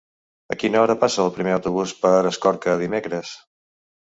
A quina hora passa el primer autobús per Escorca dimecres?